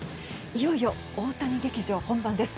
いよいよ、大谷劇場本番です。